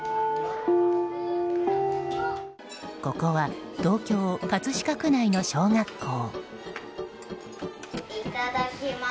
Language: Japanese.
ここは東京・葛飾区内の小学校。